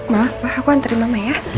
ma pak hapuan terima ma ya